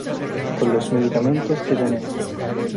con los medicamentos que tenemos